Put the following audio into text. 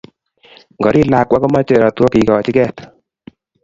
Ngoriir lakwa komache rotwo kikochin keet